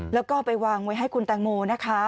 แล้วก็เอาไปวางไว้ให้คุณแตงโมนะคะ